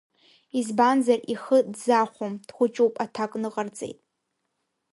Избанзар ихы дзахәом, дхәыҷуп, аҭак ныҟарҵеит.